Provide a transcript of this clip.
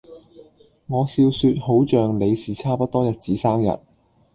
我笑說好像你是差不多日子生日